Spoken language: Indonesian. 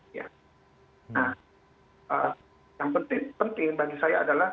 ini adalah hal yang tidak terjadi ini adalah hal yang tidak terjadi